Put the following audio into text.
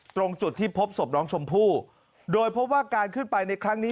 ตรงจุดที่พบศพน้องชมพู่โดยพบว่าการขึ้นไปในครั้งนี้